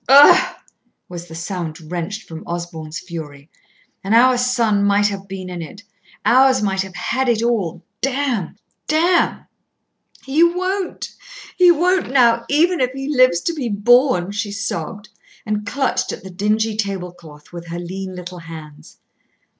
"Ough!" was the sound wrenched from Osborn's fury. "And our son might have been in it. Ours might have had it all! Damn damn!" "He won't, he won't now, even if he lives to be born," she sobbed, and clutched at the dingy tablecloth with her lean little hands.